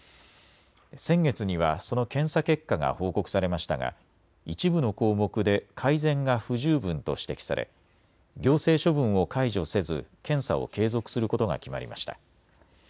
先月にはその検査結果が報告されましたが一部の項目で改善が不十分と指摘され行政処分を解除せず検査を継続することが決まりました。